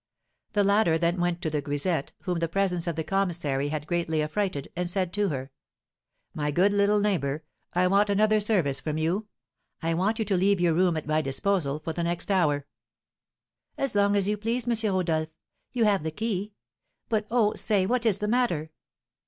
The latter then went to the grisette, whom the presence of the commissary had greatly affrighted, and said to her: "My good little neighbour, I want another service from you, I want you to leave your room at my disposal for the next hour." "As long as you please, M. Rodolph. You have the key. But, oh, say what is the matter?"